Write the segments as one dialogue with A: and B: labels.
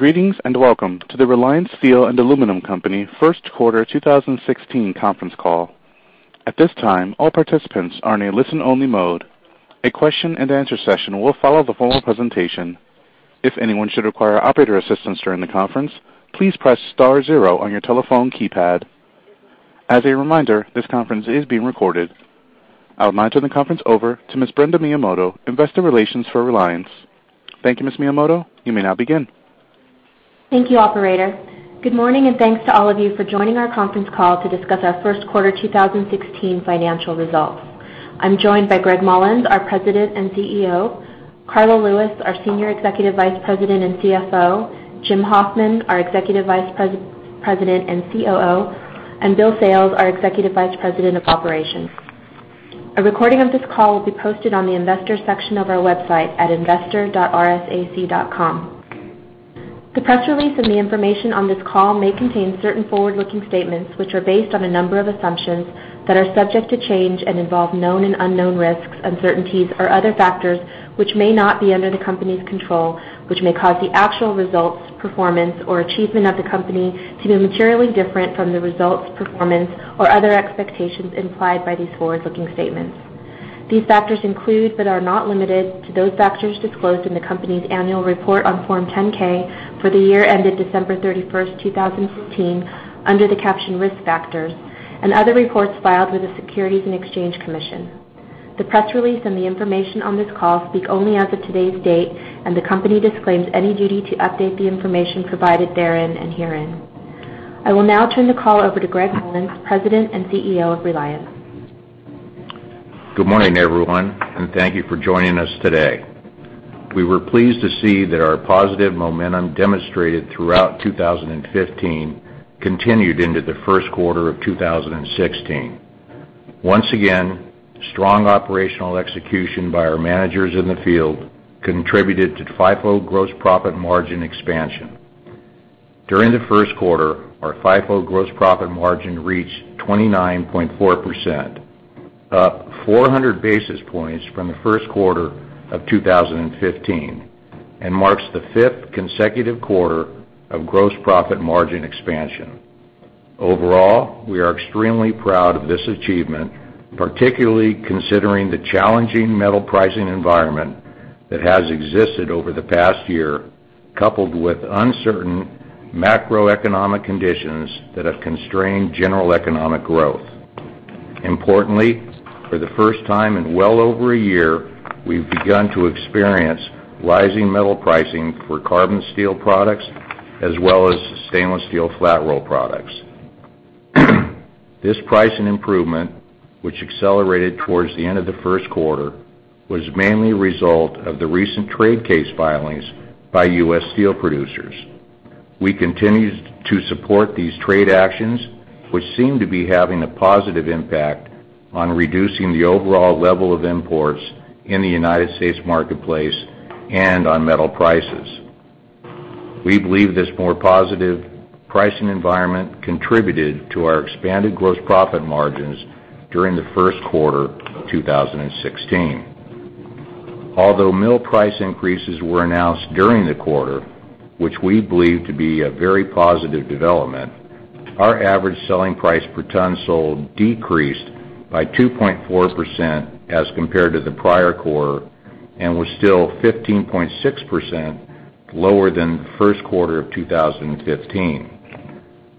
A: Greetings, and welcome to the Reliance Steel & Aluminum Co. first quarter 2016 conference call. At this time, all participants are in a listen-only mode. A question and answer session will follow the formal presentation. If anyone should require operator assistance during the conference, please press star zero on your telephone keypad. As a reminder, this conference is being recorded. I'll turn the conference over to Ms. Brenda Miyamoto, investor relations for Reliance. Thank you, Ms. Miyamoto. You may now begin.
B: Thank you, operator. Good morning. Thanks to all of you for joining our conference call to discuss our first quarter 2016 financial results. I'm joined by Gregg Mollins, our President and CEO; Karla Lewis, our Senior Executive Vice President and CFO; Jim Hoffman, our Executive Vice President and COO; and Bill Sales, our Executive Vice President of Operations. A recording of this call will be posted on the investors section of our website at investor.reliance.com. The press release and the information on this call may contain certain forward-looking statements, which are based on a number of assumptions that are subject to change and involve known and unknown risks, uncertainties, or other factors which may not be under the company's control, which may cause the actual results, performance, or achievement of the company to be materially different from the results, performance, or other expectations implied by these forward-looking statements. These factors include, but are not limited to, those factors disclosed in the company's annual report on Form 10-K for the year ended December 31st, 2015, under the caption Risk Factors, and other reports filed with the Securities and Exchange Commission. The press release and the information on this call speak only as of today's date, and the company disclaims any duty to update the information provided therein and herein. I will now turn the call over to Gregg Mollins, President and CEO of Reliance.
C: Good morning, everyone, and thank you for joining us today. We were pleased to see that our positive momentum demonstrated throughout 2015 continued into the first quarter of 2016. Once again, strong operational execution by our managers in the field contributed to FIFO gross profit margin expansion. During the first quarter, our FIFO gross profit margin reached 29.4%, up 400 basis points from the first quarter of 2015, and marks the fifth consecutive quarter of gross profit margin expansion. Overall, we are extremely proud of this achievement, particularly considering the challenging metal pricing environment that has existed over the past year, coupled with uncertain macroeconomic conditions that have constrained general economic growth. Importantly, for the first time in well over a year, we've begun to experience rising metal pricing for carbon steel products as well as stainless steel flat roll products. This pricing improvement, which accelerated towards the end of the first quarter, was mainly a result of the recent trade case filings by U.S. steel producers. We continue to support these trade actions, which seem to be having a positive impact on reducing the overall level of imports in the U.S. marketplace and on metal prices. We believe this more positive pricing environment contributed to our expanded gross profit margins during the first quarter 2016. Although mill price increases were announced during the quarter, which we believe to be a very positive development, our average selling price per ton sold decreased by 2.4% as compared to the prior quarter and was still 15.6% lower than the first quarter of 2015.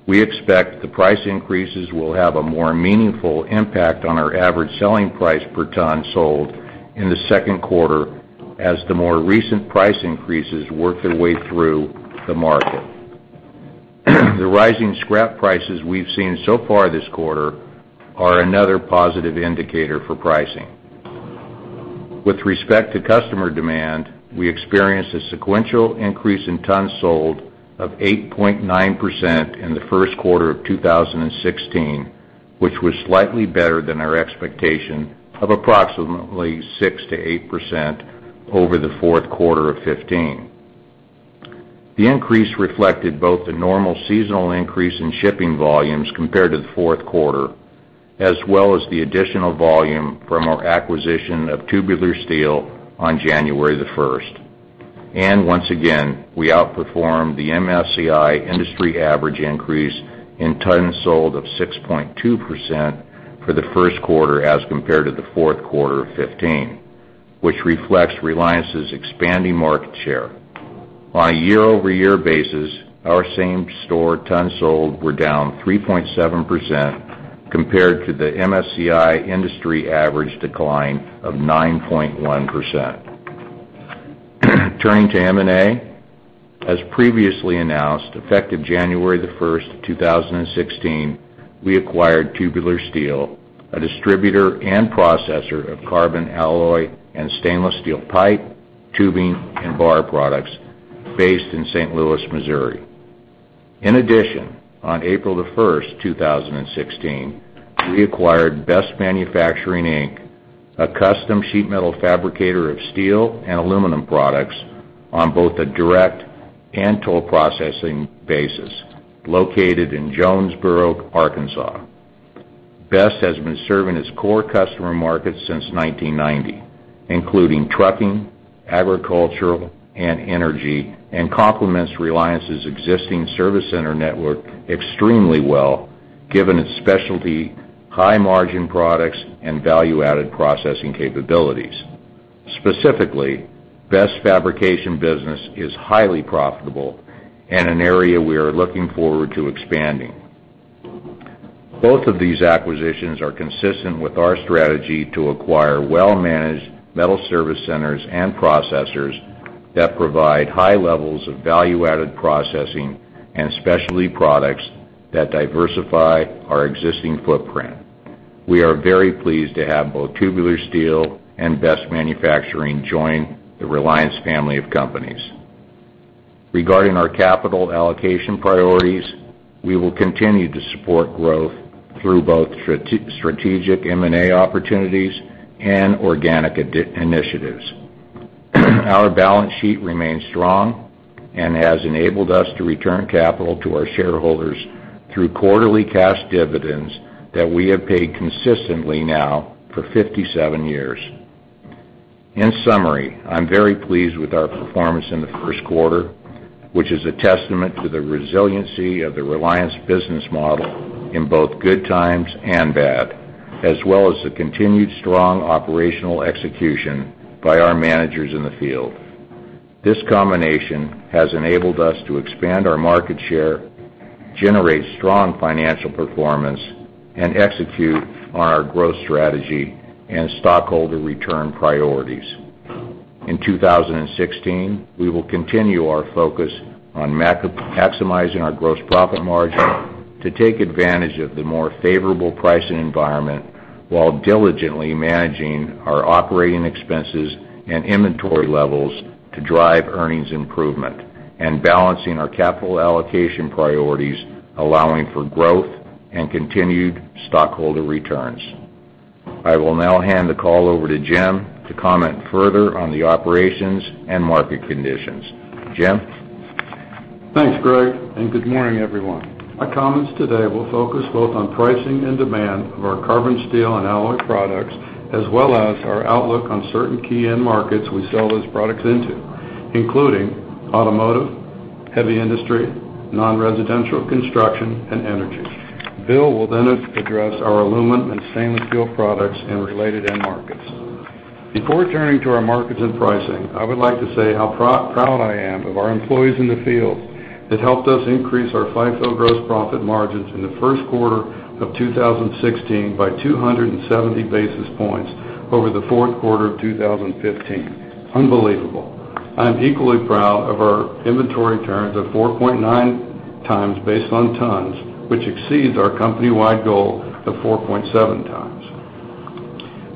C: We expect the price increases will have a more meaningful impact on our average selling price per ton sold in the second quarter as the more recent price increases work their way through the market. The rising scrap prices we've seen so far this quarter are another positive indicator for pricing. With respect to customer demand, we experienced a sequential increase in tons sold of 8.9% in the first quarter of 2016, which was slightly better than our expectation of approximately 6%-8% over the fourth quarter of 2015. The increase reflected both the normal seasonal increase in shipping volumes compared to the fourth quarter, as well as the additional volume from our acquisition of Tubular Steel on January the 1st. Once again, we outperformed the MSCI industry average increase in tons sold of 6.2% for the first quarter as compared to the fourth quarter of 2015, which reflects Reliance's expanding market share. On a year-over-year basis, our same store tons sold were down 3.7% compared to the MSCI industry average decline of 9.1%. Turning to M&A, as previously announced, effective January the 1st, 2016, we acquired Tubular Steel, a distributor and processor of carbon alloy and stainless steel pipe, tubing, and bar products based in St. Louis, Missouri. In addition, on April the 1st, 2016, we acquired Best Manufacturing, Inc., a custom sheet metal fabricator of steel and aluminum products on both a direct and toll processing basis, located in Jonesboro, Arkansas. Best has been serving its core customer market since 1990, including trucking, agricultural, and energy, and complements Reliance's existing service center network extremely well, given its specialty, high-margin products, and value-added processing capabilities. Specifically, Best fabrication business is highly profitable and an area we are looking forward to expanding. Both of these acquisitions are consistent with our strategy to acquire well-managed metal service centers and processors that provide high levels of value-added processing and specialty products that diversify our existing footprint. We are very pleased to have both Tubular Steel and Best Manufacturing join the Reliance family of companies. Regarding our capital allocation priorities, we will continue to support growth through both strategic M&A opportunities and organic initiatives. Our balance sheet remains strong and has enabled us to return capital to our shareholders through quarterly cash dividends that we have paid consistently now for 57 years. In summary, I'm very pleased with our performance in the first quarter, which is a testament to the resiliency of the Reliance business model in both good times and bad, as well as the continued strong operational execution by our managers in the field. This combination has enabled us to expand our market share, generate strong financial performance, and execute on our growth strategy and stockholder return priorities. In 2016, we will continue our focus on maximizing our gross profit margin to take advantage of the more favorable pricing environment while diligently managing our operating expenses and inventory levels to drive earnings improvement, balancing our capital allocation priorities, allowing for growth and continued stockholder returns. I will now hand the call over to Jim to comment further on the operations and market conditions. Jim?
D: Thanks, Gregg, and good morning, everyone. My comments today will focus both on pricing and demand of our carbon steel and alloy products, as well as our outlook on certain key end markets we sell those products into, including automotive, heavy industry, non-residential construction, and energy. Bill will then address our aluminum and stainless steel products and related end markets. Before turning to our markets and pricing, I would like to say how proud I am of our employees in the field that helped us increase our FIFO gross profit margins in the first quarter of 2016 by 270 basis points over the fourth quarter of 2015. Unbelievable. I am equally proud of our inventory turns of 4.9 times based on tons, which exceeds our company-wide goal of 4.7 times.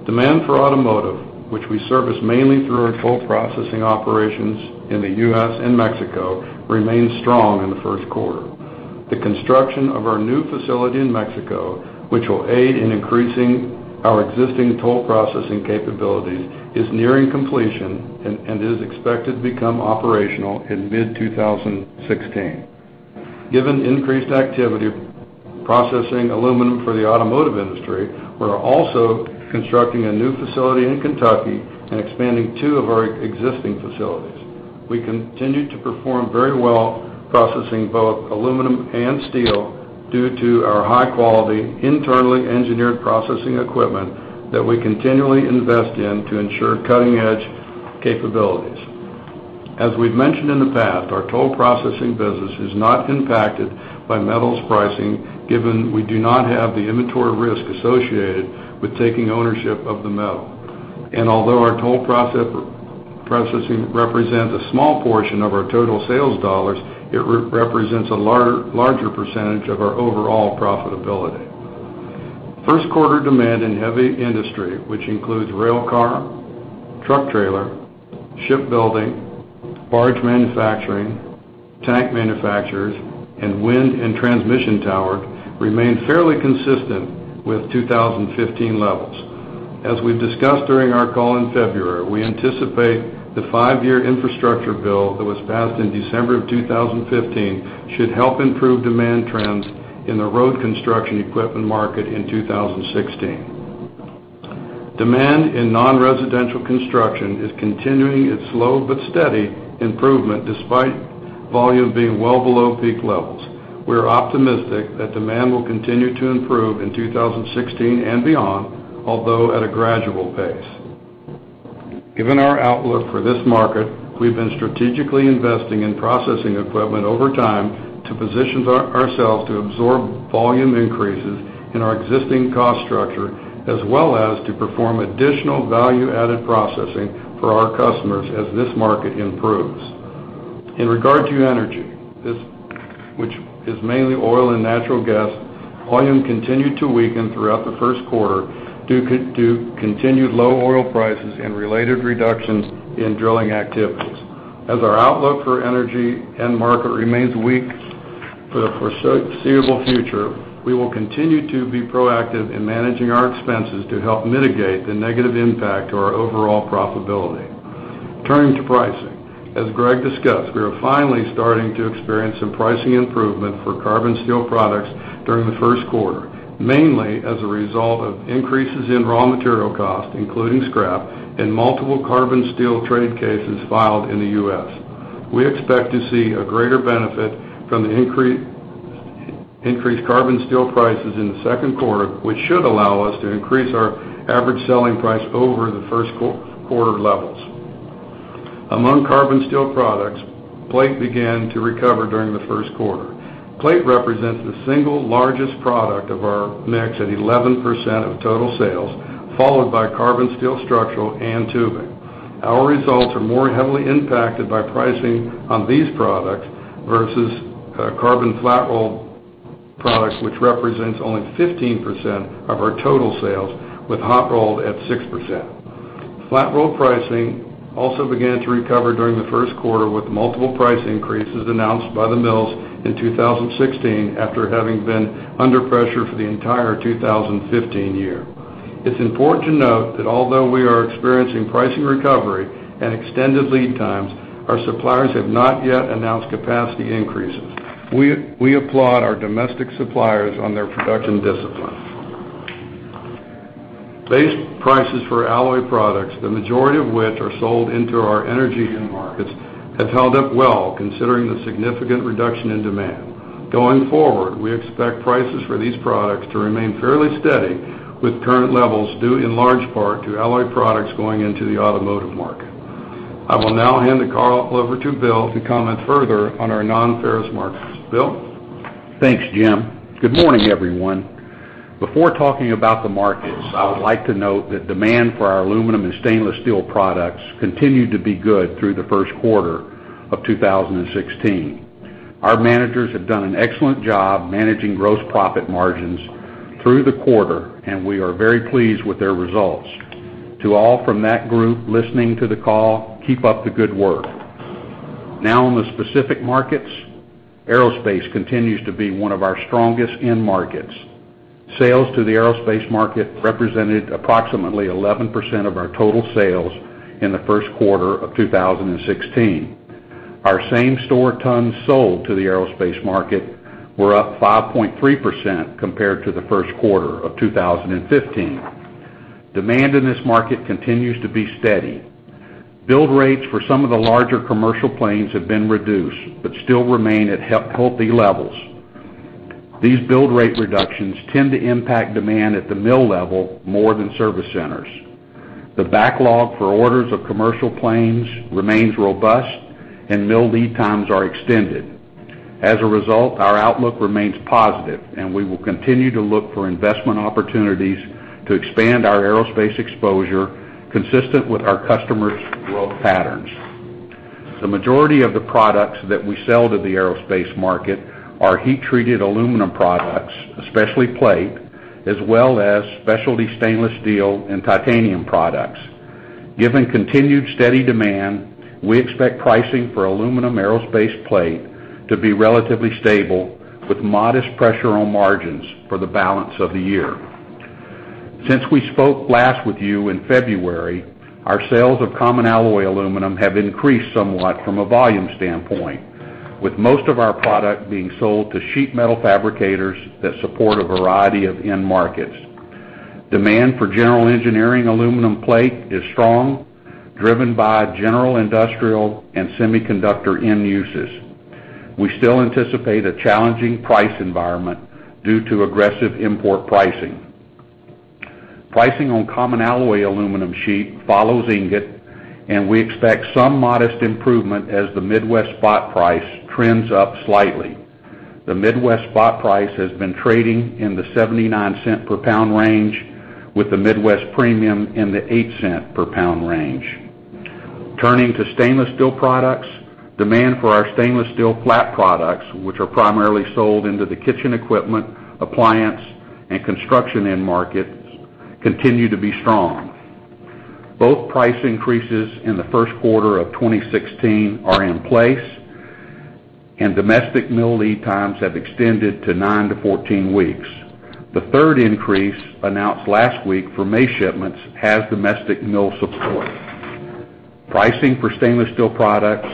D: Demand for automotive, which we service mainly through our full processing operations in the U.S. and Mexico, remained strong in the first quarter. The construction of our new facility in Mexico, which will aid in increasing our existing toll processing capabilities, is nearing completion and is expected to become operational in mid-2016. Given increased activity processing aluminum for the automotive industry, we're also constructing a new facility in Kentucky and expanding two of our existing facilities. We continue to perform very well processing both aluminum and steel due to our high-quality, internally engineered processing equipment that we continually invest in to ensure cutting-edge capabilities. As we've mentioned in the past, our toll processing business is not impacted by metals pricing, given we do not have the inventory risk associated with taking ownership of the metal. Although our toll processing represents a small portion of our total sales dollars, it represents a larger percentage of our overall profitability. First quarter demand in heavy industry, which includes rail car, truck trailer, shipbuilding, barge manufacturing, tank manufacturers, and wind and transmission tower, remained fairly consistent with 2015 levels. As we've discussed during our call in February, we anticipate the five-year infrastructure bill that was passed in December of 2015 should help improve demand trends in the road construction equipment market in 2016. Demand in non-residential construction is continuing its slow but steady improvement despite volume being well below peak levels. We are optimistic that demand will continue to improve in 2016 and beyond, although at a gradual pace. Given our outlook for this market, we've been strategically investing in processing equipment over time to position ourselves to absorb volume increases in our existing cost structure, as well as to perform additional value-added processing for our customers as this market improves. In regard to energy, which is mainly oil and natural gas, volume continued to weaken throughout the first quarter due to continued low oil prices and related reductions in drilling activities. As our outlook for energy end market remains weak for the foreseeable future, we will continue to be proactive in managing our expenses to help mitigate the negative impact to our overall profitability. Turning to pricing. As Gregg discussed, we are finally starting to experience some pricing improvement for carbon steel products during the first quarter, mainly as a result of increases in raw material costs, including scrap and multiple carbon steel trade cases filed in the U.S. We expect to see a greater benefit from the increased carbon steel prices in the second quarter, which should allow us to increase our average selling price over the first quarter levels. Among carbon steel products, plate began to recover during the first quarter. Plate represents the single largest product of our mix at 11% of total sales, followed by carbon steel structural and tubing. Our results are more heavily impacted by pricing on these products versus carbon flat roll products, which represents only 15% of our total sales, with hot rolled at 6%. Flat roll pricing also began to recover during the first quarter, with multiple price increases announced by the mills in 2016 after having been under pressure for the entire 2015 year. It's important to note that although we are experiencing pricing recovery and extended lead times, our suppliers have not yet announced capacity increases. We applaud our domestic suppliers on their production discipline. Base prices for alloy products, the majority of which are sold into our energy end markets, have held up well considering the significant reduction in demand. Going forward, we expect prices for these products to remain fairly steady with current levels, due in large part to alloy products going into the automotive market. I will now hand the call over to Bill to comment further on our nonferrous markets. Bill?
E: Thanks, Jim. Good morning, everyone. Before talking about the markets, I would like to note that demand for our aluminum and stainless steel products continued to be good through the first quarter of 2016. Our managers have done an excellent job managing gross profit margins through the quarter, and we are very pleased with their results. To all from that group listening to the call, keep up the good work. Now, on the specific markets, aerospace continues to be one of our strongest end markets. Sales to the aerospace market represented approximately 11% of our total sales in the first quarter of 2016. Our same-store tons sold to the aerospace market were up 5.3% compared to the first quarter of 2015. Demand in this market continues to be steady. Build rates for some of the larger commercial planes have been reduced but still remain at healthy levels. These build rate reductions tend to impact demand at the mill level more than service centers. The backlog for orders of commercial planes remains robust and mill lead times are extended. As a result, our outlook remains positive and we will continue to look for investment opportunities to expand our aerospace exposure consistent with our customers' growth patterns. The majority of the products that we sell to the aerospace market are heat-treated aluminum products, especially plate, as well as specialty stainless steel and titanium products. Given continued steady demand, we expect pricing for aluminum aerospace plate to be relatively stable with modest pressure on margins for the balance of the year. Since we spoke last with you in February, our sales of common alloy aluminum have increased somewhat from a volume standpoint, with most of our product being sold to sheet metal fabricators that support a variety of end markets. Demand for general engineering aluminum plate is strong, driven by general industrial and semiconductor end uses. We still anticipate a challenging price environment due to aggressive import pricing. Pricing on common alloy aluminum sheet follows ingot, and we expect some modest improvement as the Midwest spot price trends up slightly. The Midwest spot price has been trading in the $0.79 per pound range, with the Midwest premium in the $0.08 per pound range. Turning to stainless steel products, demand for our stainless steel flat products, which are primarily sold into the kitchen equipment, appliance, and construction end markets, continue to be strong. Both price increases in the first quarter of 2016 are in place, and domestic mill lead times have extended to 9-14 weeks. The third increase, announced last week for May shipments, has domestic mill support. Pricing for stainless steel products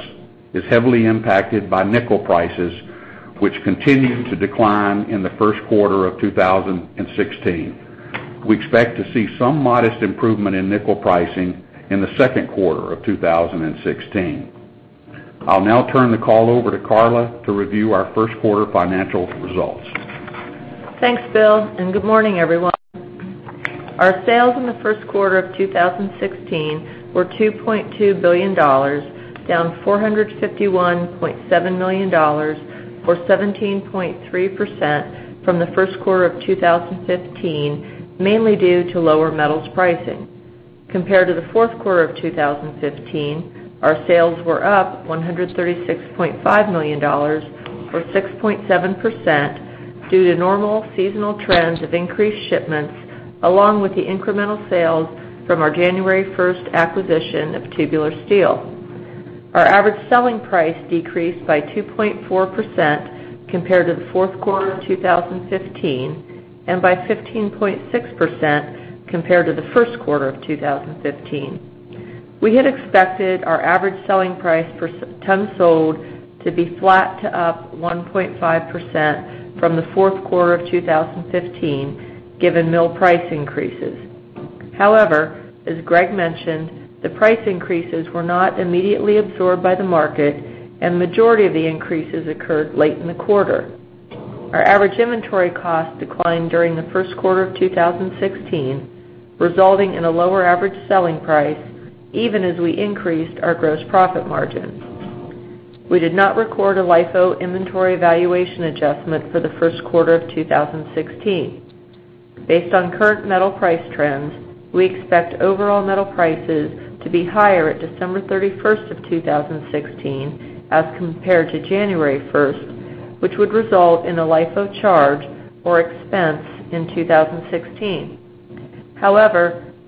E: is heavily impacted by nickel prices, which continued to decline in the first quarter of 2016. We expect to see some modest improvement in nickel pricing in the second quarter of 2016. I'll now turn the call over to Karla to review our first quarter financial results.
F: Thanks, Bill, and good morning, everyone. Our sales in the first quarter of 2016 were $2.2 billion, down $451.7 million or 17.3% from the first quarter of 2015, mainly due to lower metals pricing. Compared to the fourth quarter of 2015, our sales were up $136.5 million or 6.7% due to normal seasonal trends of increased shipments, along with the incremental sales from our January 1st acquisition of Tubular Steel. Our average selling price decreased by 2.4% compared to the fourth quarter of 2015, and by 15.6% compared to the first quarter of 2015. We had expected our average selling price per ton sold to be flat to up 1.5% from the fourth quarter of 2015, given mill price increases. However, as Gregg mentioned, the price increases were not immediately absorbed by the market, and the majority of the increases occurred late in the quarter. Our average inventory cost declined during the first quarter of 2016, resulting in a lower average selling price, even as we increased our gross profit margins. We did not record a LIFO inventory valuation adjustment for the first quarter of 2016. Based on current metal price trends, we expect overall metal prices to be higher at December 31st of 2016 as compared to January 1st, which would result in a LIFO charge or expense in 2016.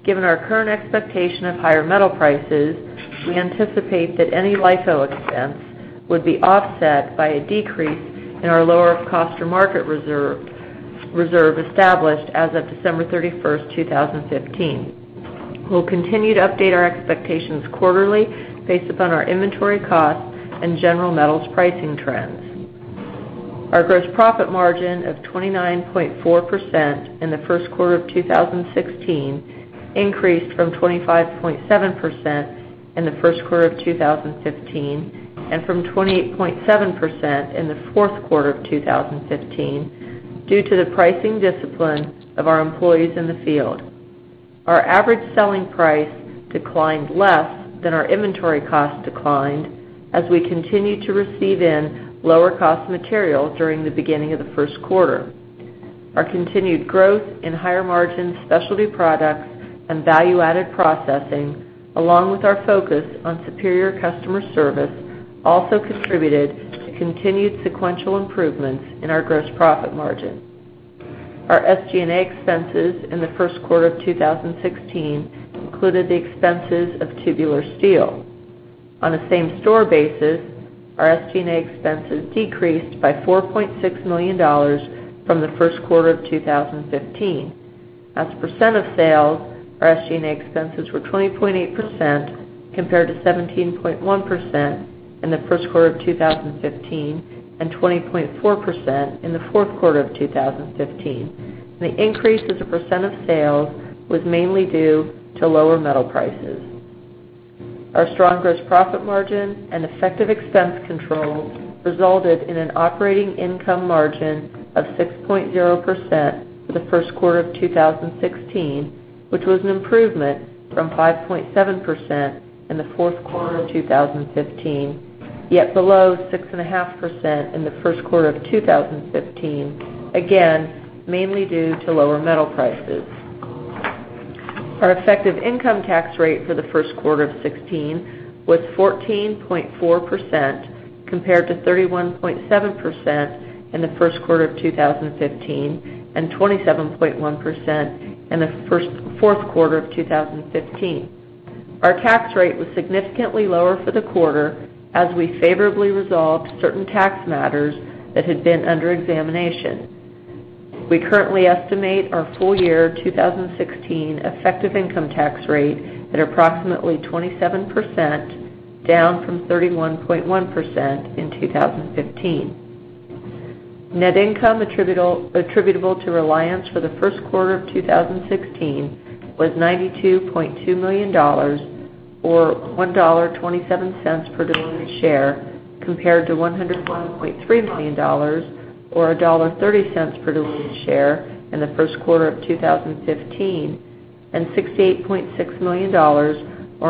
F: Given our current expectation of higher metal prices, we anticipate that any LIFO expense would be offset by a decrease in our lower cost or market reserve established as of December 31st, 2015. We'll continue to update our expectations quarterly based upon our inventory costs and general metals pricing trends. Our gross profit margin of 29.4% in the first quarter of 2016 increased from 25.7% in the first quarter of 2015 and from 28.7% in the fourth quarter of 2015 due to the pricing discipline of our employees in the field. Our average selling price declined less than our inventory cost declined as we continued to receive in lower cost material during the beginning of the first quarter. Our continued growth in higher margin specialty products and value-added processing, along with our focus on superior customer service, also contributed to continued sequential improvements in our gross profit margin. Our SG&A expenses in the first quarter of 2016 included the expenses of Tubular Steel. On a same-store basis, our SG&A expenses decreased by $4.6 million from the first quarter of 2015. As a percent of sales, our SG&A expenses were 20.8% compared to 17.1% in the first quarter of 2015 and 20.4% in the fourth quarter of 2015. The increase as a percent of sales was mainly due to lower metal prices. Our strong gross profit margin and effective expense control resulted in an operating income margin of 6.0% for the first quarter of 2016, which was an improvement from 5.7% in the fourth quarter of 2015, yet below 6.5% in the first quarter of 2015, again, mainly due to lower metal prices. Our effective income tax rate for the first quarter of 2016 was 14.4%, compared to 31.7% in the first quarter of 2015 and 27.1% in the fourth quarter of 2015. Our tax rate was significantly lower for the quarter as we favorably resolved certain tax matters that had been under examination. We currently estimate our full year 2016 effective income tax rate at approximately 27%, down from 31.1% in 2015. Net income attributable to Reliance for the first quarter of 2016 was $92.2 million, or $1.27 per diluted share, compared to $101.3 million, or $1.30 per diluted share in the first quarter of 2015, and $68.6 million or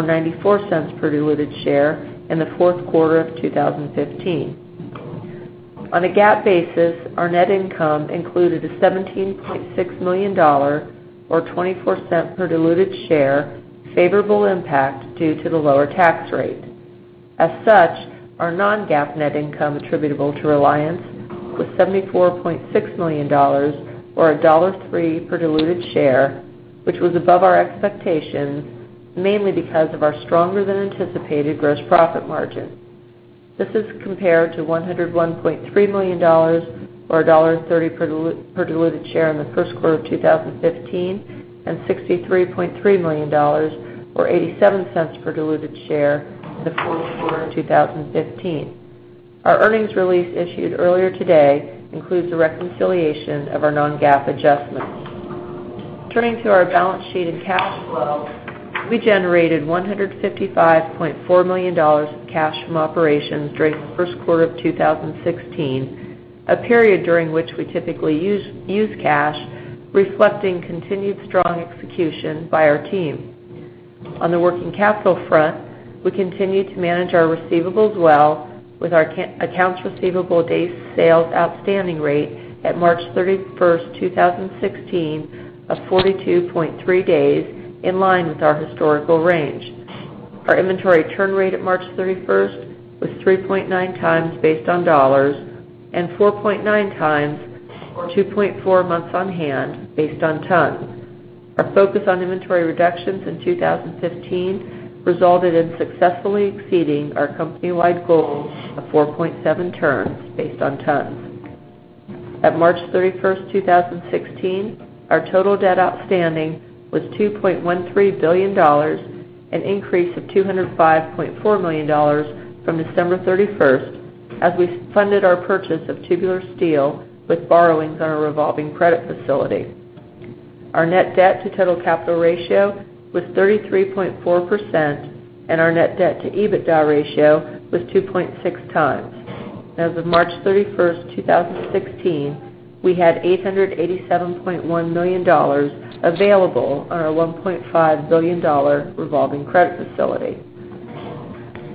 F: $0.94 per diluted share in the fourth quarter of 2015. On a GAAP basis, our net income included a $17.6 million or $0.24 per diluted share favorable impact due to the lower tax rate. Our non-GAAP net income attributable to Reliance was $74.6 million, or $1.03 per diluted share, which was above our expectations, mainly because of our stronger than anticipated gross profit margin. This is compared to $101.3 million or $1.30 per diluted share in the first quarter of 2015 and $63.3 million, or $0.87 per diluted share in the fourth quarter of 2015. Our earnings release issued earlier today includes a reconciliation of our non-GAAP adjustments. Turning to our balance sheet and cash flow, we generated $155.4 million of cash from operations during the first quarter of 2016, a period during which we typically use cash, reflecting continued strong execution by our team. On the working capital front, we continue to manage our receivables well with our accounts receivable days sales outstanding rate at March 31st, 2016, of 42.3 days, in line with our historical range. Our inventory turn rate at March 31st was 3.9 times based on dollars and 4.9 times or 2.4 months on hand based on tons. Our focus on inventory reductions in 2015 resulted in successfully exceeding our company-wide goals of 4.7 turns based on tons. At March 31st, 2016, our total debt outstanding was $2.13 billion, an increase of $205.4 million from December 31st, as we funded our purchase of Tubular Steel with borrowings on our revolving credit facility. Our net debt to total capital ratio was 33.4%, and our net debt to EBITDA ratio was 2.6 times. As of March 31st, 2016, we had $887.1 million available on our $1.5 billion revolving credit facility.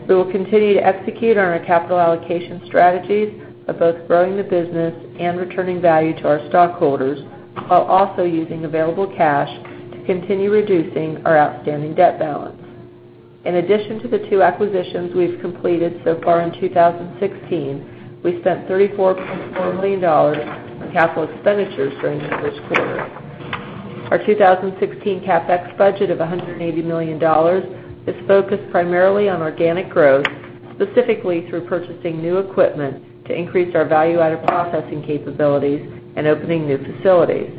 F: We will continue to execute on our capital allocation strategies of both growing the business and returning value to our stockholders, while also using available cash to continue reducing our outstanding debt balance. In addition to the two acquisitions we've completed so far in 2016, we spent $34.4 million on capital expenditures during the first quarter. Our 2016 CapEx budget of $180 million is focused primarily on organic growth, specifically through purchasing new equipment to increase our value-added processing capabilities and opening new facilities.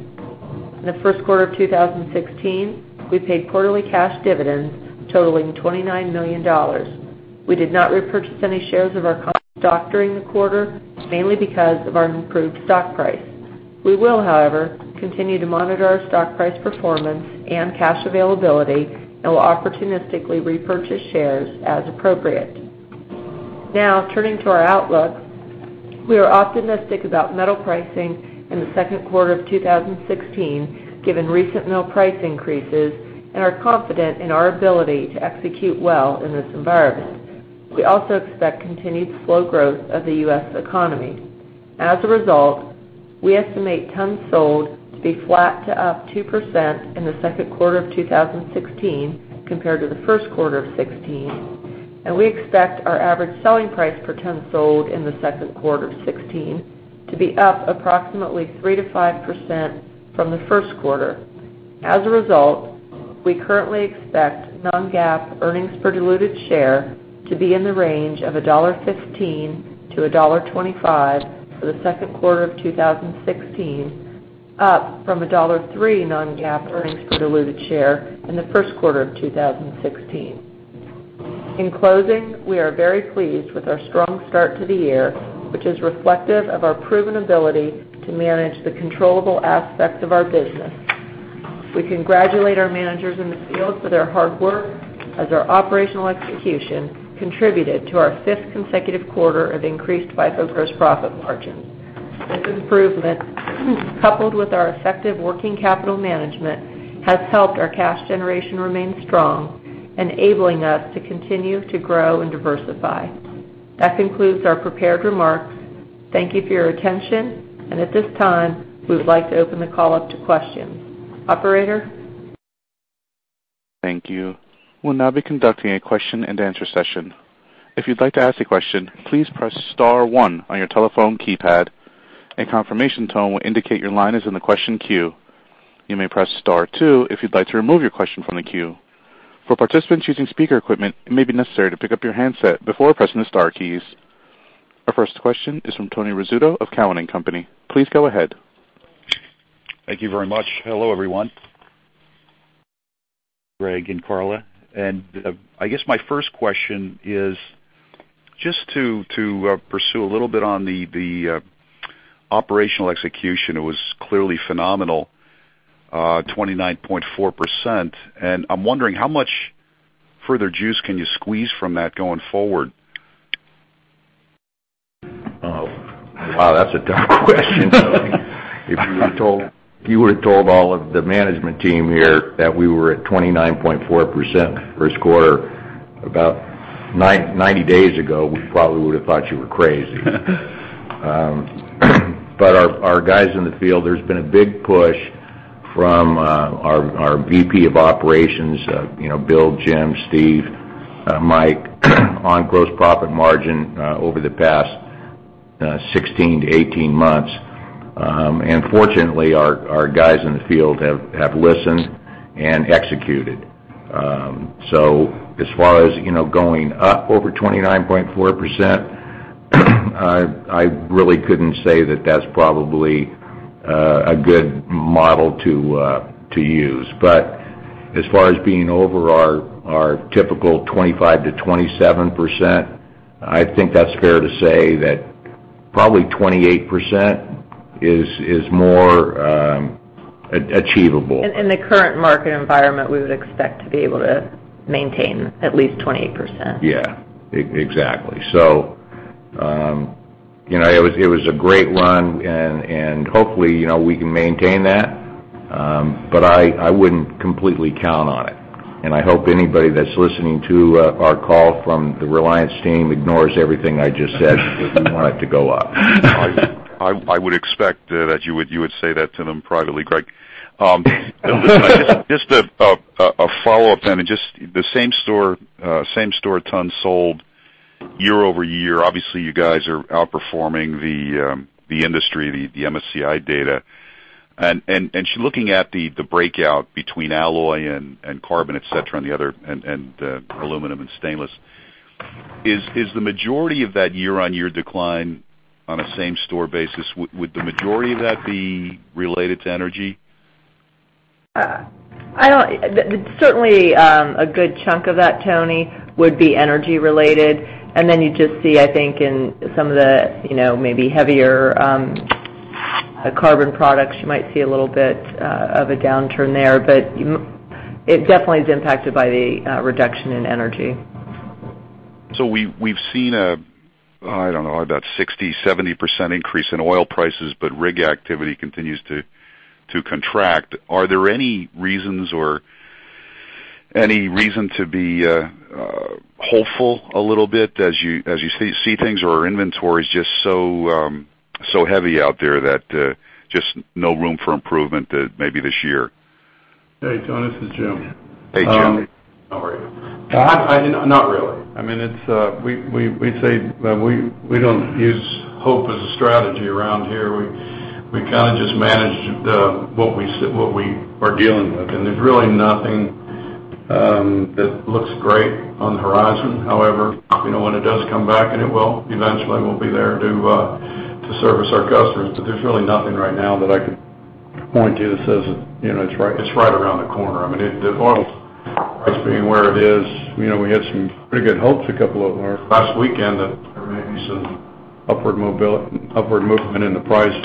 F: In the first quarter of 2016, we paid quarterly cash dividends totaling $29 million. We did not repurchase any shares of our common stock during the quarter, mainly because of our improved stock price. We will, however, continue to monitor our stock price performance and cash availability and will opportunistically repurchase shares as appropriate. Now turning to our outlook. We are optimistic about metal pricing in the second quarter of 2016, given recent mill price increases, and are confident in our ability to execute well in this environment. We also expect continued slow growth of the U.S. economy. As a result, we estimate tons sold to be flat to up 2% in the second quarter of 2016 compared to the first quarter of 2016, and we expect our average selling price per ton sold in the second quarter of 2016 to be up approximately 3% to 5% from the first quarter. As a result, we currently expect non-GAAP earnings per diluted share to be in the range of $1.15 to $1.25 for the second quarter of 2016, up from $1.03 non-GAAP earnings per diluted share in the first quarter of 2016. In closing, we are very pleased with our strong start to the year, which is reflective of our proven ability to manage the controllable aspects of our business. We congratulate our managers in the field for their hard work as our operational execution contributed to our fifth consecutive quarter of increased IFO gross profit margin. This improvement, coupled with our effective working capital management, has helped our cash generation remain strong and enabling us to continue to grow and diversify. That concludes our prepared remarks. Thank you for your attention, and at this time, we would like to open the call up to questions. Operator?
A: Thank you. We'll now be conducting a question and answer session. If you'd like to ask a question, please press star one on your telephone keypad. A confirmation tone will indicate your line is in the question queue. You may press star two if you'd like to remove your question from the queue. For participants using speaker equipment, it may be necessary to pick up your handset before pressing the star keys. Our first question is from Anthony Rizzuto of Cowen and Company. Please go ahead.
G: Thank you very much. Hello, everyone. Gregg and Karla. I guess my first question is just to pursue a little bit on the operational execution. It was clearly phenomenal, 29.4%, and I'm wondering how much further juice can you squeeze from that going forward?
C: Wow, that's a tough question. If you would've told all of the management team here that we were at 29.4% first quarter about 90 days ago, we probably would have thought you were crazy. Our guys in the field, there's been a big push from our VP of Operations Bill, Jim, Steve, Mike, on gross profit margin over the past 16 to 18 months. Fortunately, our guys in the field have listened and executed. As far as going up over 29.4%, I really couldn't say that that's probably a good model to use. As far as being over our typical 25%-27%, I think that's fair to say that probably 28% is more achievable.
F: In the current market environment, we would expect to be able to maintain at least 28%.
C: Yeah. Exactly. It was a great run, and hopefully, we can maintain that. I wouldn't completely count on it, and I hope anybody that's listening to our call from the Reliance team ignores everything I just said because we want it to go up.
G: I would expect that you would say that to them privately, Gregg. Just a follow-up then, just the same store ton sold year-over-year, obviously, you guys are outperforming the industry, the MSCI data. Looking at the breakout between alloy and carbon, et cetera, and the other, and aluminum and stainless, is the majority of that year-on-year decline on a same-store basis, would the majority of that be related to energy?
F: Certainly, a good chunk of that, Tony, would be energy-related. You just see, I think, in some of the maybe heavier carbon products, you might see a little bit of a downturn there, it definitely is impacted by the reduction in energy.
G: We've seen, I don't know, about 60%, 70% increase in oil prices, but rig activity continues to contract. Are there any reasons or any reason to be hopeful a little bit as you see things or are inventories just so heavy out there that just no room for improvement maybe this year?
D: Hey, Tony, this is Jim.
G: Hey, Jim. How are you?
D: Not really. We say that we don't use hope as a strategy around here. We kind of just manage what we are dealing with. There's really nothing that looks great on the horizon. However, when it does come back, and it will, eventually, we'll be there to service our customers. There's really nothing right now that I could point to that says it's right around the corner. I mean, the oil price being where it is, we had some pretty good hopes last weekend that there may be some upward movement in the price.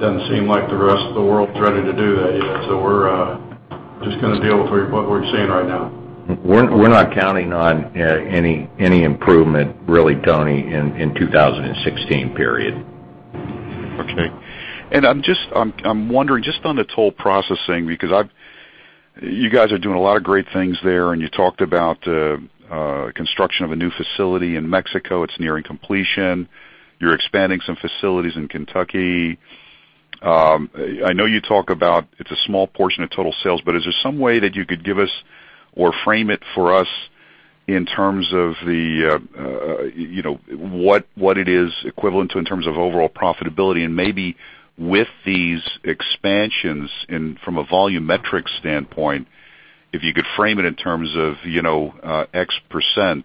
D: Doesn't seem like the rest of the world's ready to do that yet. We're just going to deal with what we're seeing right now.
C: We're not counting on any improvement really, Tony, in 2016, period.
G: Okay. I'm wondering, just on the toll processing, because you guys are doing a lot of great things there, and you talked about construction of a new facility in Mexico. It's nearing completion. You're expanding some facilities in Kentucky. I know you talk about it's a small portion of total sales, but is there some way that you could give us or frame it for us in terms of what it is equivalent to in terms of overall profitability? Maybe with these expansions in from a volumetric standpoint, if you could frame it in terms of X%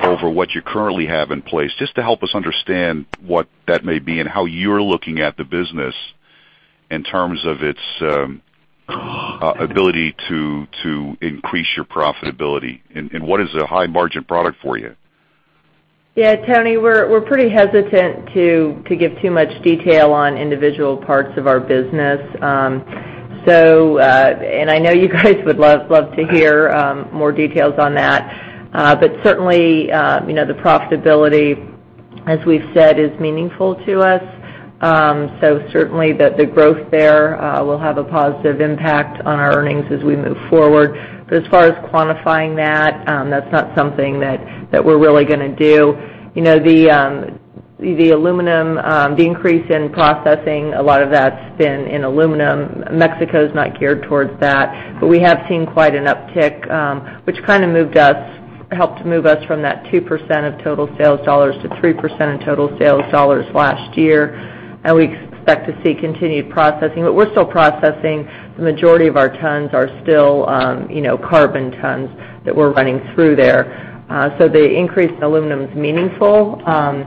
G: over what you currently have in place, just to help us understand what that may be and how you're looking at the business in terms of its ability to increase your profitability. What is a high-margin product for you?
F: Tony, we're pretty hesitant to give too much detail on individual parts of our business. I know you guys would love to hear more details on that. Certainly, the profitability, as we've said, is meaningful to us. Certainly, the growth there will have a positive impact on our earnings as we move forward. As far as quantifying that's not something that we're really going to do. The increase in processing, a lot of that's been in aluminum. Mexico is not geared towards that, but we have seen quite an uptick, which kind of helped move us from that 2% of total sales dollars to 3% of total sales dollars last year. We expect to see continued processing. What we're still processing, the majority of our tons are still carbon tons that we're running through there. The increase in aluminum is meaningful, but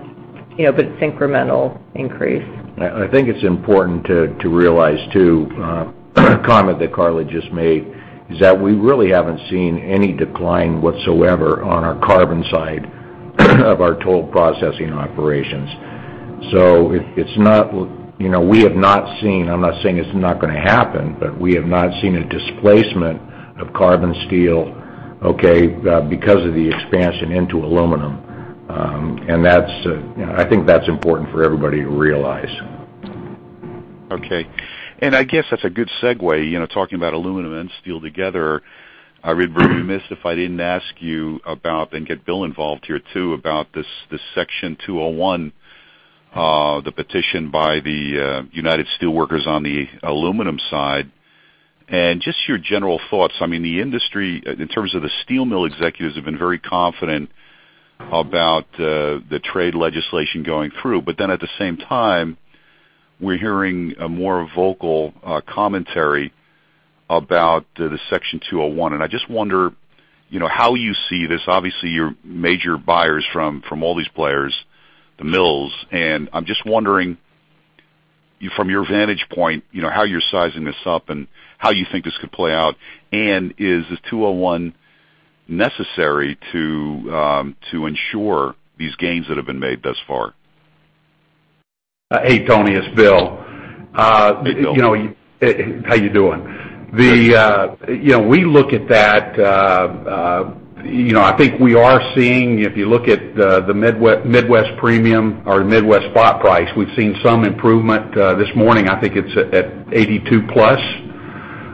F: it's incremental increase.
C: I think it's important to realize, too, a comment that Karla just made is that we really haven't seen any decline whatsoever on our carbon side of our toll processing operations. We have not seen, I'm not saying it's not going to happen, but we have not seen a displacement of carbon steel, okay, because of the expansion into aluminum. I think that's important for everybody to realize.
G: Okay. I guess that's a good segue, talking about aluminum and steel together. I would be remiss if I didn't ask you about, and get Bill involved here, too, about this Section 201, the petition by the United Steelworkers on the aluminum side, and just your general thoughts. I mean, the industry, in terms of the steel mill executives, have been very confident about the trade legislation going through. We're hearing a more vocal commentary about the Section 201. I just wonder how you see this. Obviously, your major buyers from all these players, the mills, and I'm just wondering, from your vantage point, how you're sizing this up and how you think this could play out. Is this 201 necessary to ensure these gains that have been made thus far?
E: Hey, Tony, it's Bill.
G: Hey, Bill.
E: How you doing?
G: Good.
E: We look at that. I think we are seeing, if you look at the Midwest premium or the Midwest spot price, we've seen some improvement. This morning, I think it's at $0.82 plus.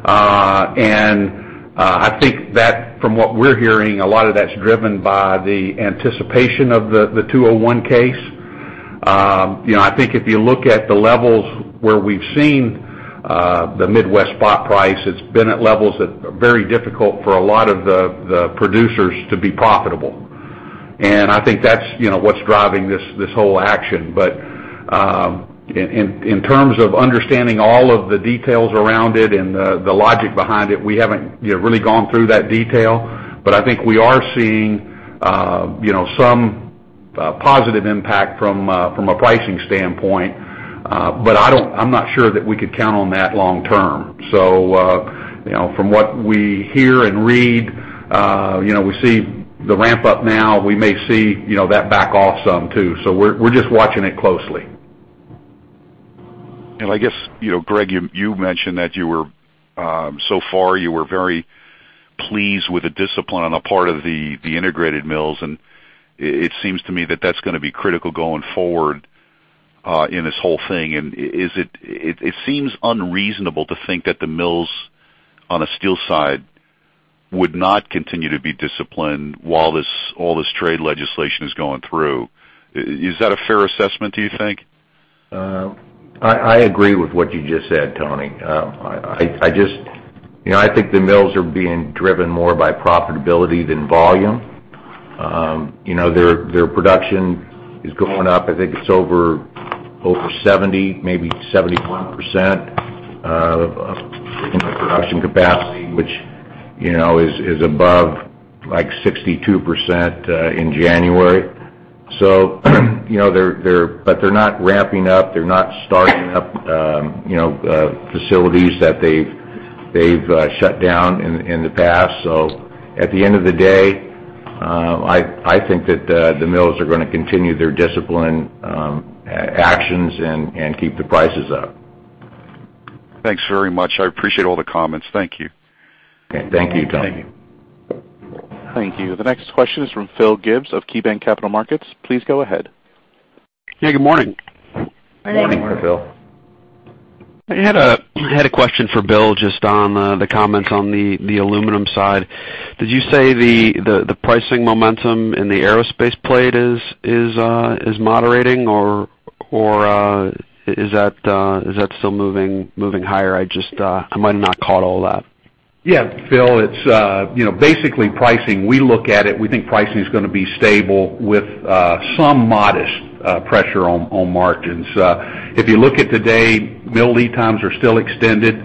E: I think that from what we're hearing, a lot of that's driven by the anticipation of the 201 case. I think if you look at the levels where we've seen the Midwest spot price, it's been at levels that are very difficult for a lot of the producers to be profitable. I think that's what's driving this whole action. In terms of understanding all of the details around it and the logic behind it, we haven't really gone through that detail. I think we are seeing some positive impact from a pricing standpoint. I'm not sure that we could count on that long term. From what we hear and read, we see the ramp up now. We may see that back off some, too. We're just watching it closely.
G: I guess, Gregg, you mentioned that so far you were very pleased with the discipline on the part of the integrated mills, and it seems to me that that's going to be critical going forward in this whole thing. It seems unreasonable to think that the mills on a steel side would not continue to be disciplined while all this trade legislation is going through. Is that a fair assessment, do you think?
C: I agree with what you just said, Tony. I think the mills are being driven more by profitability than volume. Their production is going up. I think it's over 70, maybe 71% of production capacity, which is above 62% in January. They're not ramping up. They're not starting up facilities that they've shut down in the past. At the end of the day, I think that the mills are going to continue their discipline actions and keep the prices up.
G: Thanks very much. I appreciate all the comments. Thank you.
C: Okay. Thank you, Tony.
G: Thank you.
A: Thank you. The next question is from Philip Gibbs of KeyBanc Capital Markets. Please go ahead.
H: Yeah, good morning.
C: Morning, Phil.
H: I had a question for Bill, just on the comments on the aluminum side. Did you say the pricing momentum in the aerospace plate is moderating, or is that still moving higher? I might have not caught all that.
E: Phil, it's basically pricing. We look at it, we think pricing is going to be stable with some modest pressure on margins. If you look at today, mill lead times are still extended.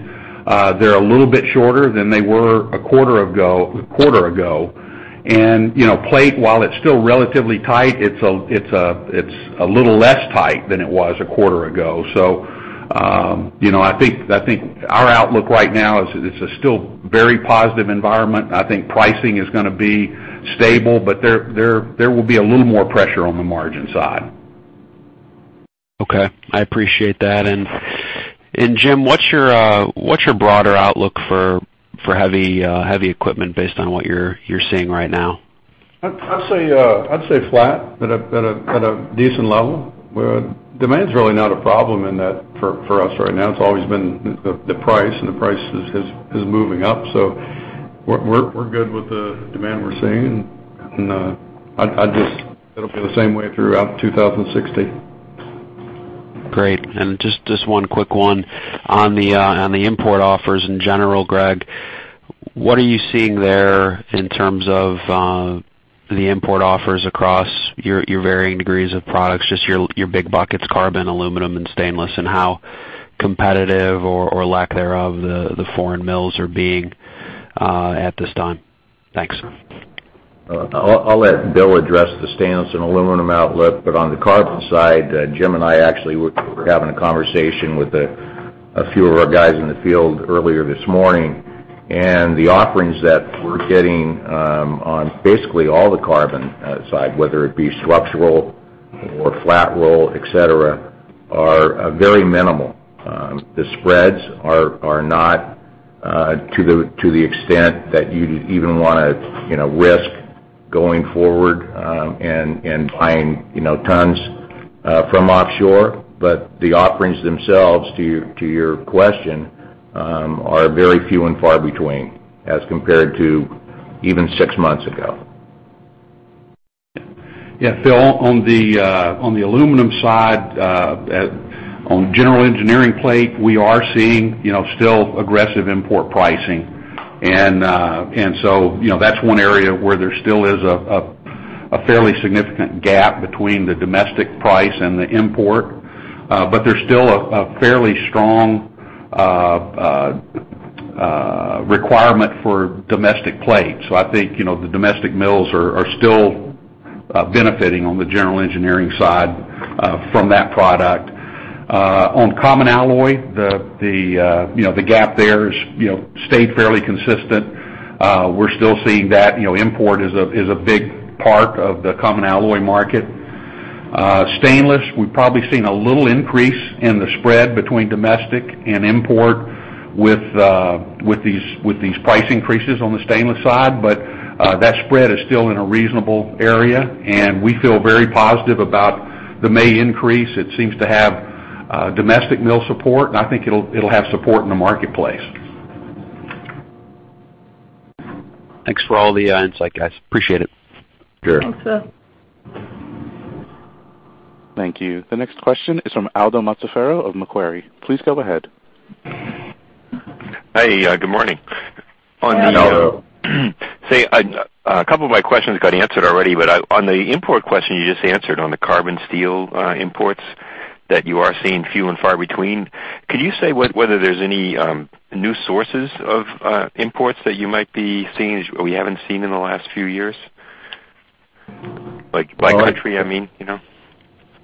E: They're a little bit shorter than they were a quarter ago. Plate, while it's still relatively tight, it's a little less tight than it was a quarter ago. I think our outlook right now is it's a still very positive environment. I think pricing is going to be stable, but there will be a little more pressure on the margin side.
H: Okay. I appreciate that. Jim, what's your broader outlook for heavy equipment based on what you're seeing right now?
D: I'd say flat at a decent level, where demand's really not a problem in that for us right now. It's always been the price, and the price is moving up. We're good with the demand we're seeing, and it'll be the same way throughout 2016.
H: Great. Just one quick one. On the import offers in general, Greg, what are you seeing there in terms of the import offers across your varying degrees of products, just your big buckets, carbon, aluminum, and stainless, and how competitive or lack thereof the foreign mills are being at this time? Thanks.
C: I'll let Bill address the stainless and aluminum outlet. On the carbon side, Jim and I actually were having a conversation with a few of our guys in the field earlier this morning. The offerings that we're getting on basically all the carbon side, whether it be structural or flat roll, et cetera, are very minimal. The spreads are not to the extent that you even want to risk going forward and buying tons from offshore. The offerings themselves, to your question, are very few and far between as compared to even six months ago. Yeah, Phil, on the aluminum side, on general engineering plate, we are seeing still aggressive import pricing. That's one area where there still is a fairly significant gap between the domestic price and the import. There's still a fairly strong requirement for domestic plate.
E: I think, the domestic mills are still benefiting on the general engineering side from that product. On common alloy, the gap there has stayed fairly consistent. We're still seeing that import is a big part of the common alloy market. Stainless, we've probably seen a little increase in the spread between domestic and import with these price increases on the stainless side. That spread is still in a reasonable area, and we feel very positive about the May increase. It seems to have domestic mill support, and I think it'll have support in the marketplace.
H: Thanks for all the insight, guys. Appreciate it.
C: Sure. Thanks, Phil.
A: Thank you. The next question is from Aldo Mazzaferro of Macquarie. Please go ahead.
I: Hi. Good morning.
C: Hello.
I: Say, a couple of my questions got answered already, but on the import question you just answered on the carbon steel imports that you are seeing few and far between, could you say whether there's any new sources of imports that you might be seeing or we haven't seen in the last few years? By country, I mean.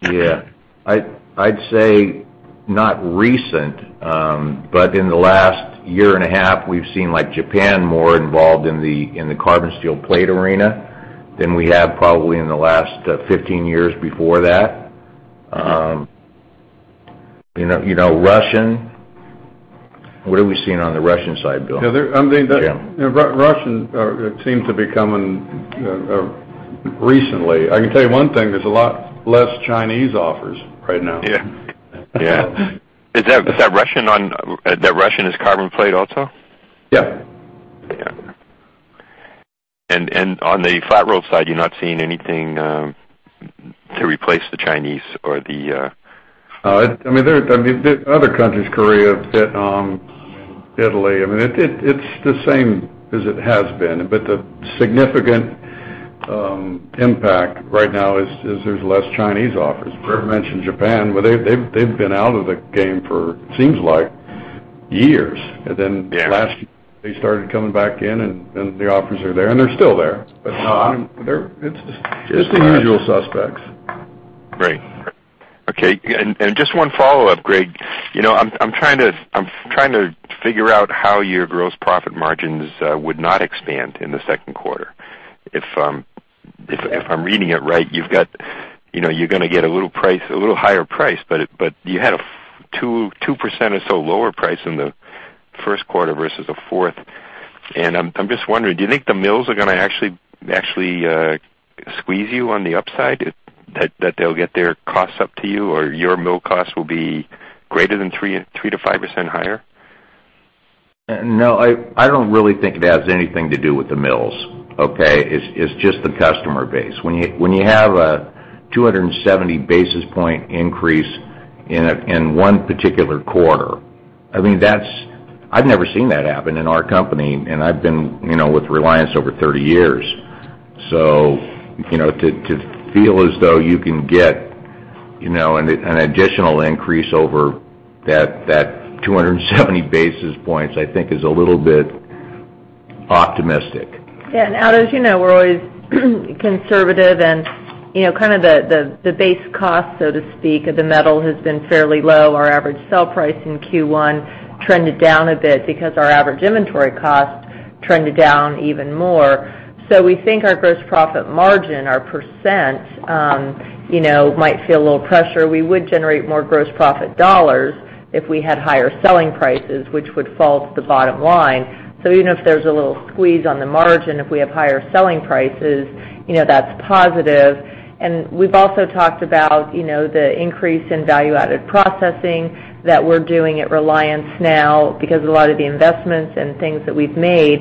C: Yeah. I'd say not recent, but in the last year and a half, we've seen Japan more involved in the carbon steel plate arena than we have probably in the last 15 years before that. Russian. What are we seeing on the Russian side, Bill?
D: Yeah, Russian seems to be coming recently. I can tell you one thing, there's a lot less Chinese offers right now.
C: Yeah.
I: Is that Russian as carbon plate also?
C: Yeah.
I: Yeah. On the flat roll side, you're not seeing anything to replace the Chinese.
D: There are other countries, Korea, Vietnam, Italy. It's the same as it has been, but the significant impact right now is there's less Chinese offers. Gregg mentioned Japan, but they've been out of the game for seems like years. Yeah. Last year, they started coming back in, and the offers are there, and they're still there. It's the usual suspects.
I: Great. Okay. Just one follow-up, Gregg. I'm trying to figure out how your gross profit margins would not expand in the second quarter. If I'm reading it right, you're going to get a little higher price, but you had a 2% or so lower price in the first quarter versus the fourth. I'm just wondering, do you think the mills are going to actually squeeze you on the upside, that they'll get their costs up to you, or your mill costs will be greater than 3%-5% higher?
C: No, I don't really think it has anything to do with the mills, okay? It's just the customer base. When you have a 270 basis point increase in one particular quarter, I've never seen that happen in our company, and I've been with Reliance over 30 years. To feel as though you can get an additional increase over that 270 basis points, I think is a little bit optimistic.
F: Yeah. Aldo, as you know, we're always conservative and kind of the base cost, so to speak, of the metal has been fairly low. Our average sell price in Q1 trended down a bit because our average inventory cost trended down even more. We think our gross profit margin, our % might feel a little pressure. We would generate more gross profit dollars if we had higher selling prices, which would fall to the bottom line. Even if there's a little squeeze on the margin, if we have higher selling prices, that's positive. We've also talked about the increase in value-added processing that we're doing at Reliance now because of a lot of the investments and things that we've made.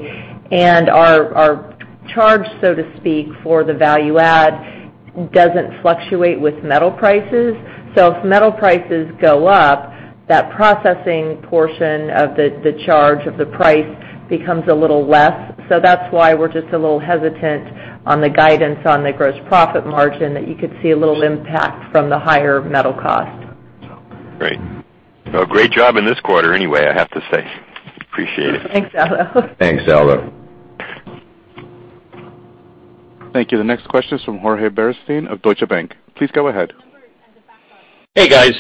F: Our charge, so to speak, for the value add doesn't fluctuate with metal prices. If metal prices go up, that processing portion of the charge of the price becomes a little less. That's why we're just a little hesitant on the guidance on the gross profit margin that you could see a little impact from the higher metal cost.
I: Great. Well, great job in this quarter anyway, I have to say. Appreciate it.
F: Thanks, Aldo.
C: Thanks, Aldo.
A: Thank you. The next question is from Jorge Beristain of Deutsche Bank. Please go ahead.
J: Hey, guys.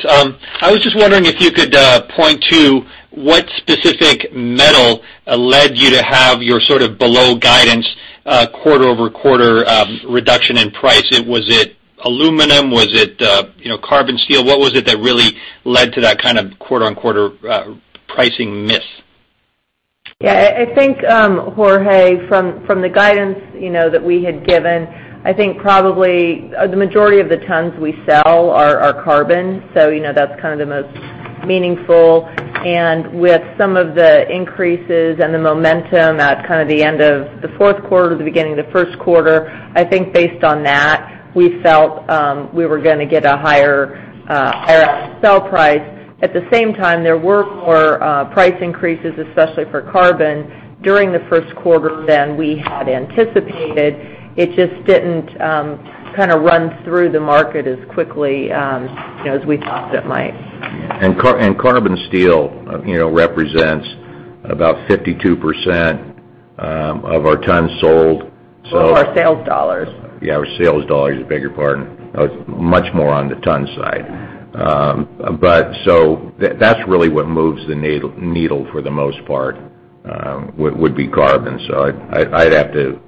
J: I was just wondering if you could point to what specific metal led you to have your sort of below guidance quarter-over-quarter reduction in price. Was it aluminum? Was it carbon steel? What was it that really led to that kind of quarter-on-quarter pricing miss?
F: Yeah, I think, Jorge, from the guidance that we had given, I think probably the majority of the tons we sell are carbon. That's kind of the most meaningful. With some of the increases and the momentum at kind of the end of the fourth quarter, the beginning of the first quarter, I think based on that, we felt we were going to get a higher sell price. At the same time, there were more price increases, especially for carbon, during the first quarter than we had anticipated. It just didn't kind of run through the market as quickly as we thought it might.
C: Carbon steel represents about 52% of our tons sold.
F: More of our sales dollars.
C: Yeah, our sales dollars, beg your pardon. Much more on the ton side. That's really what moves the needle for the most part, would be carbon. I'd have to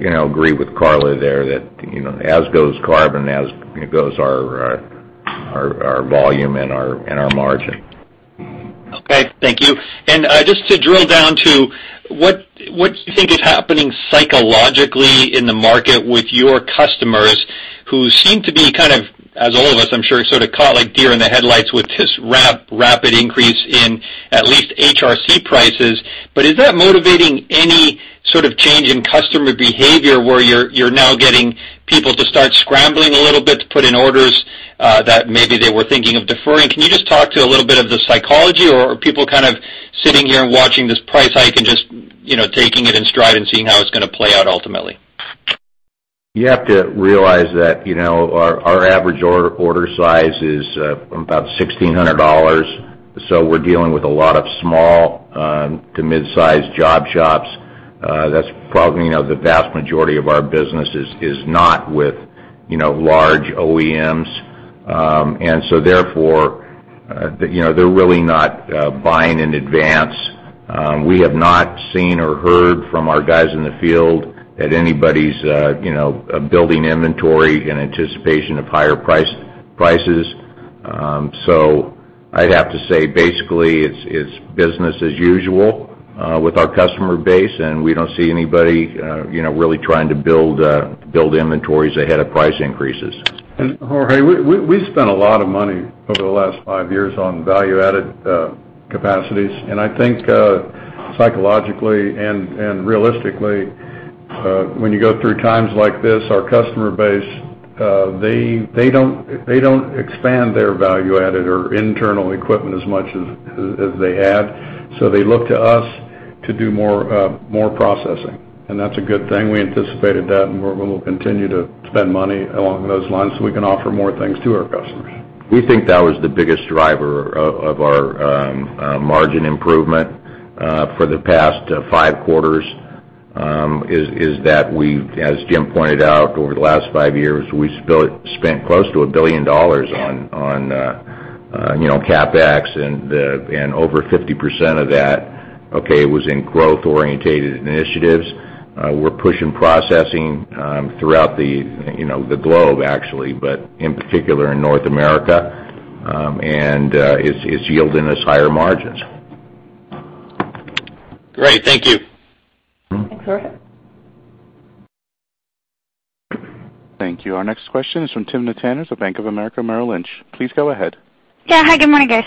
C: agree with Karla there that as goes carbon, as goes our volume and our margin.
J: Okay, thank you. Just to drill down to, what do you think is happening psychologically in the market with your customers? Who seem to be, as all of us, I'm sure, sort of caught like deer in the headlights with this rapid increase in at least HRC prices. Is that motivating any sort of change in customer behavior where you're now getting people to start scrambling a little bit to put in orders that maybe they were thinking of deferring? Can you just talk to a little bit of the psychology or are people kind of sitting here and watching this price hike and just taking it in stride and seeing how it's going to play out ultimately?
C: You have to realize that our average order size is about $1,600. We're dealing with a lot of small to mid-size job shops. That's probably the vast majority of our business is not with large OEMs. Therefore, they're really not buying in advance. We have not seen or heard from our guys in the field that anybody's building inventory in anticipation of higher prices. I'd have to say basically it's business as usual with our customer base, and we don't see anybody really trying to build inventories ahead of price increases.
D: Jorge, we spent a lot of money over the last five years on value-added capacities, and I think psychologically and realistically, when you go through times like this, our customer base, they don't expand their value-added or internal equipment as much as they had. They look to us to do more processing, and that's a good thing. We anticipated that, and we're going to continue to spend money along those lines so we can offer more things to our customers.
C: We think that was the biggest driver of our margin improvement for the past five quarters, is that we've, as Jim pointed out, over the last five years, we spent close to $1 billion on CapEx and over 50% of that, okay, was in growth-orientated initiatives. We're pushing processing throughout the globe, actually, but in particular in North America. It's yielding us higher margins.
J: Great. Thank you.
F: Thanks, Jorge.
A: Thank you. Our next question is from Timna Tanners of Bank of America Merrill Lynch. Please go ahead.
K: Yeah. Hi, good morning, guys.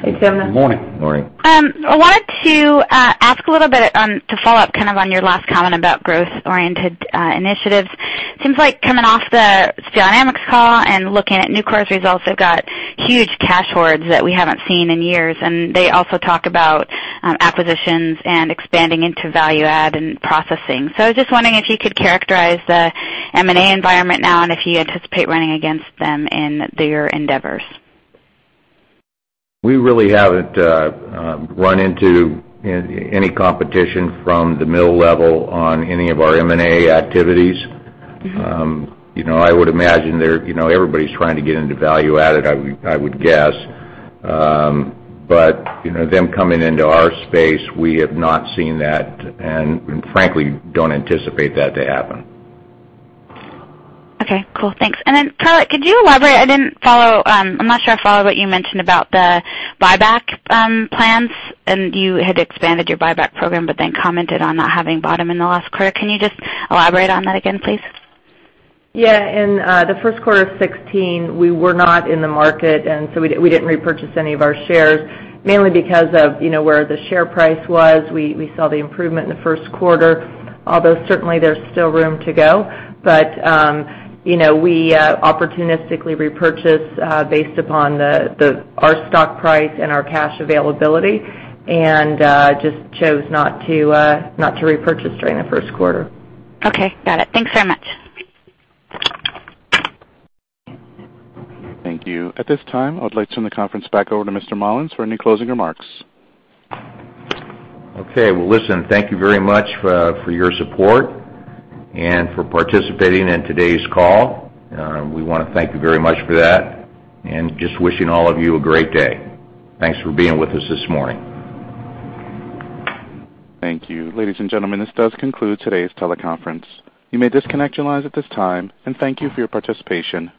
F: Hey, Timna.
D: Morning.
C: Morning.
K: I wanted to ask a little bit to follow up kind of on your last comment about growth-oriented initiatives. Seems like coming off the Steel Dynamics call and looking at Nucor's results, they've got huge cash hordes that we haven't seen in years, and they also talk about acquisitions and expanding into value add and processing. I was just wondering if you could characterize the M&A environment now and if you anticipate running against them in their endeavors.
C: We really haven't run into any competition from the mill level on any of our M&A activities. I would imagine everybody's trying to get into value added, I would guess. Them coming into our space, we have not seen that and frankly don't anticipate that to happen.
K: Okay, cool. Thanks. Karla, could you elaborate? I'm not sure I followed what you mentioned about the buyback plans, and you had expanded your buyback program, commented on not having bought them in the last quarter. Can you just elaborate on that again, please?
F: Yeah. In the first quarter of 2016, we were not in the market, we didn't repurchase any of our shares, mainly because of where the share price was. We saw the improvement in the first quarter, although certainly there's still room to go. We opportunistically repurchase based upon our stock price and our cash availability and just chose not to repurchase during the first quarter.
K: Okay, got it. Thanks so much.
A: Thank you. At this time, I would like to turn the conference back over to Mr. Mollins for any closing remarks.
C: Okay. Well, listen, thank you very much for your support and for participating in today's call. We want to thank you very much for that and just wishing all of you a great day. Thanks for being with us this morning.
A: Thank you. Ladies and gentlemen, this does conclude today's teleconference. You may disconnect your lines at this time, and thank you for your participation.